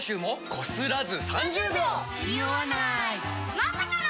まさかの。